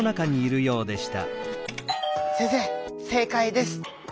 「先生正かいです！」。